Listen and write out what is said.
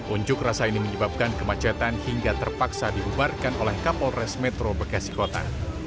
unjuk rasa ini menyebabkan kemacetan hingga terpaksa dibubarkan oleh kapolres metro bekasi kota